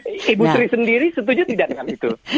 ibu sri sendiri tentunya tidak dengan itu